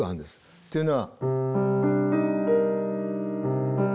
っていうのは。